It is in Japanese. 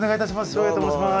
照英と申します。